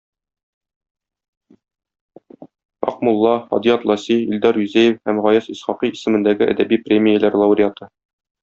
Акмулла, Һади Атласи, Илдар Юзеев һәм Гаяз Исхакый исемендәге әдәби премияләр лауреаты.